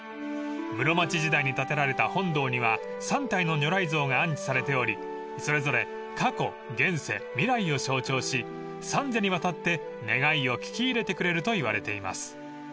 ［室町時代に建てられた本堂には３体の如来像が安置されておりそれぞれ過去現世未来を象徴し３世にわたって願いを聞き入れてくれるといわれています］